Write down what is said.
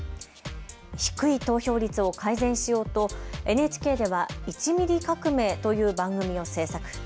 低い投票率を改善しようとＮＨＫでは１ミリ革命という番組を制作。